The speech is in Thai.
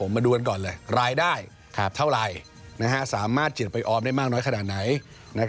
มาดูกันก่อนเลยรายได้เท่าไหร่สามารถจิบไปออมได้มากน้อยขนาดไหน